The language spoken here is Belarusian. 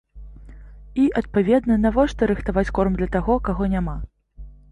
І, адпаведна, навошта рыхтаваць корм для таго, каго няма?